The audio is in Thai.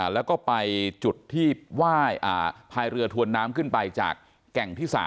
แล้วก็ไปจุดที่ไหว้พายเรือทวนน้ำขึ้นไปจากแก่งที่๓